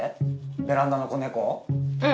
ベランダの子猫を？